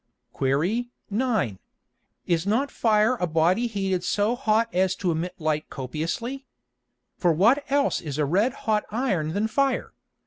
Qu. 9. Is not Fire a Body heated so hot as to emit Light copiously? For what else is a red hot Iron than Fire?